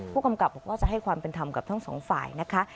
ผู้กำกับบอกว่าจะให้ความเป็นธรรมกับทั้งสองฝ่ายนะคะ